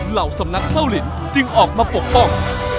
เหล่าสำนักเศร้าลินจึงออกมาปกป้อง